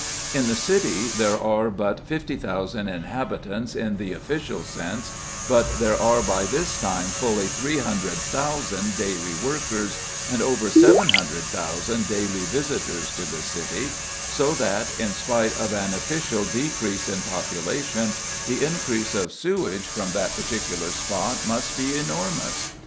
In the City there are but 50,000 inhabitants in the official sense, but there are by this time fully 300,000 daily workers and over 700,000 daily visitors to the City, so that, in spite of an official decrease in population, the increase of sewage from that particular spot must be enormous.